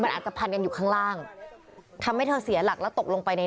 อาจจะพันกันอยู่ข้างล่างทำให้เธอเสียหลักแล้วตกลงไปใน